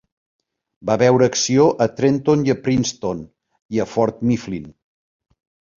Va veure acció a Trenton i Princeton, i a Fort Mifflin.